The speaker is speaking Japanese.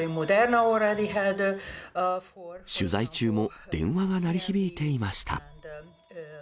取材中も電話が鳴り響いていました。